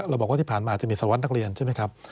เราบอกว่าที่ผ่านมาจะมีสวัสดินักเรียนใช่ไหมครับ